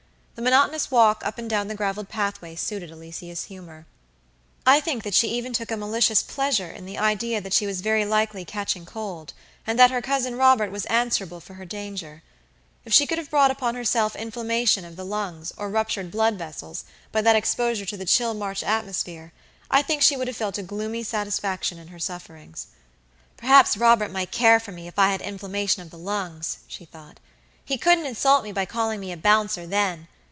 The monotonous walk up and down the graveled pathway suited Alicia's humor. I think that she even took a malicious pleasure in the idea that she was very likely catching cold, and that her Cousin Robert was answerable for her danger. If she could have brought upon herself inflammation of the lungs, or ruptured blood vessels, by that exposure to the chill March atmosphere, I think she would have felt a gloomy satisfaction in her sufferings. "Perhaps Robert might care for me, if I had inflammation of the lungs," she thought. "He couldn't insult me by calling me a bouncer then.